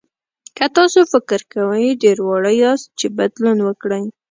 که تاسو فکر کوئ ډېر واړه یاست چې بدلون وکړئ.